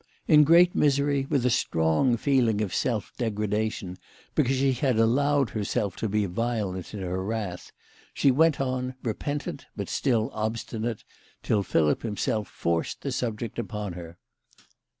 In great misery, with a strong feeling of self degradation becaiise she had allowed herself to be violent in her wrath, she went on, repentant but still obstinate, till Philip him self forced the subject upon her.